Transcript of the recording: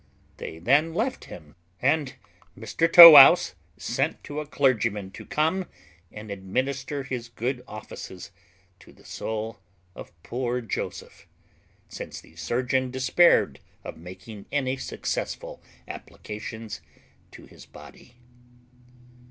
They then left him; and Mr Tow wouse sent to a clergyman to come and administer his good offices to the soul of poor Joseph, since the surgeon despaired of making any successful applications to his body.